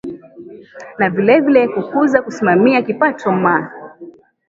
na vile vile kukuza kusimamia kipato maa